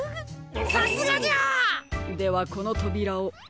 さすがじゃ！ではこのとびらをあけましょう。